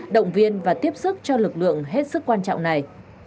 động viên và tiếp sức cho lực lượng hết sức quan trọng này